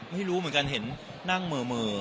ไม่รู้เหมือนกันเห็นนั่งเหม่อ